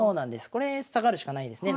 これ下がるしかないですね